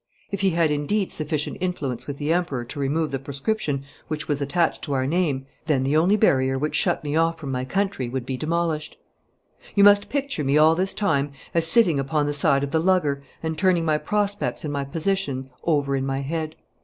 If he had indeed sufficient influence with the Emperor to remove the proscription which was attached to our name, then the only barrier which shut me off from my country would be demolished. You must picture me all this time as sitting upon the side of the lugger and turning my prospects and my position over in my head.